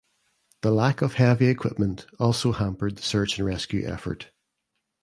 The lack of heavy equipment also hampered the search and rescue effort.